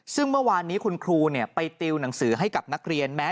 ซึ่งเมื่อวานนี้คุณครูไปติวหนังสือให้กับนักเรียนแม้